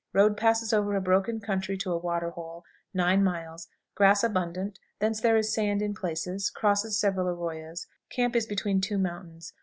Road passes over a broken country to a water hole, 9 miles; grass abundant; thence there is sand in places: crosses several arroyas. Camp is between two mountains.